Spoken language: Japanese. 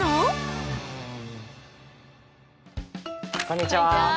こんにちは！